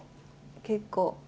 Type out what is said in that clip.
結構。